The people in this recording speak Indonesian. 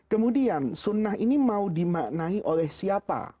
kemudian sunnah ini mau dimaknai oleh siapa